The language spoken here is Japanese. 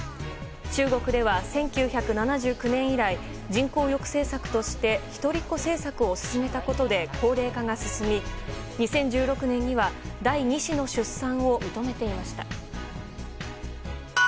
中国では１９７９年以来人口抑制策として一人っ子政策を進めたことで高齢化が進み２０１６年には第２子の出産を認めていました。